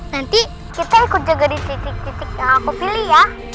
nanti kita ikut jaga di titik titik yang aku pilih ya